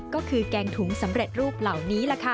ก็คือแกงถุงสำเร็จรูปเหล่านี้